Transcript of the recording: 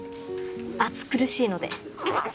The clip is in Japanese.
暑苦しいので。